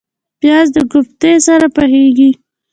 پیاز د کوفتې سره پخیږي